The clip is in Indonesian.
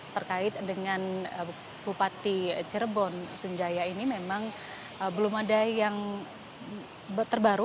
terkait dengan bupati cirebon sunjaya ini memang belum ada yang terbaru